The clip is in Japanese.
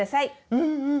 うんうん！